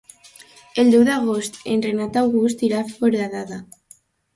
El deu d'agost en Renat August irà a Foradada.